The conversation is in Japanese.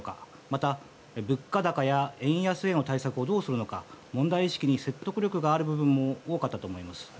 また、物価高や円安への対策をどうするのか問題意識に説得力がある部分も多かったと思います。